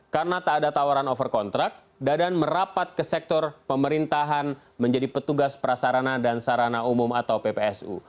karena tak ada tawaran over kontrak dadan merapat ke sektor pemerintahan menjadi petugas prasarana dan sarana umum atau ppsu